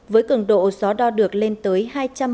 với cường độ gió đo được lên tới hai trăm linh km